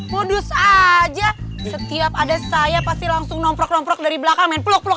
modus aja setiap ada saya pasti langsung nongkrok nomprok dari belakang main peluk peluk